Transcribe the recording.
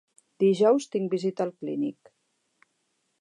Dijous tinc visita al clínic.